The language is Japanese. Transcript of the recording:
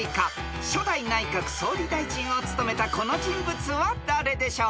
［初代内閣総理大臣を務めたこの人物は誰でしょう？］